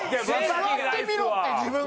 座ってみろって自分が。